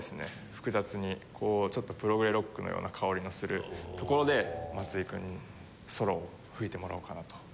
複雑にちょっとプログレ・ロックのような香りのするところで松井君にソロを吹いてもらおうかなと。